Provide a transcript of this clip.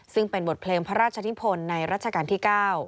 ซึ่งเป็นบทเพลงพระราชนิพลในรัชกาลที่๙